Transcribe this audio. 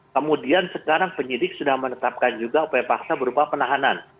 kemudian sekarang penyidik sudah menetapkan juga upaya paksa berupa penahanan